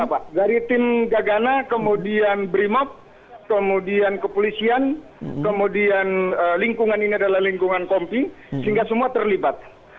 oh sekarang sudah pak garis tim gagana kemudian brimap kemudian kepolisian kemudian lingkungan ini adalah lingkungan kompi sehingga semua terlibat